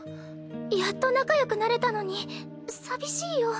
やっと仲よくなれたのに寂しいよ。